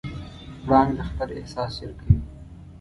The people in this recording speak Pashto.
پړانګ د خطر احساس ژر کوي.